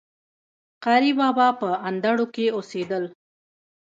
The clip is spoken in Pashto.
قاري بابا په اندړو کي اوسيدل